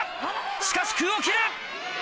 しかし空を切る！